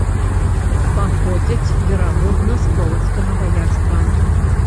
Паходзяць, верагодна, з полацкага баярства.